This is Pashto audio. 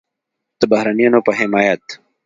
د بهرنیانو په حمایت